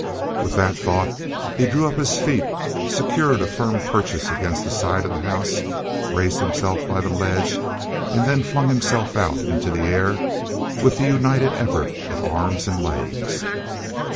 With that thought he drew up his feet, secured a firm purchase against the side of the house, raised himself by the ledge, and then flung himself out into the air with the united effort of arms and legs.